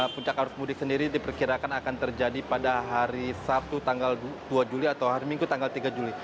puncak arus mudik sendiri diperkirakan akan terjadi pada hari sabtu tanggal dua juli atau hari minggu tanggal tiga juli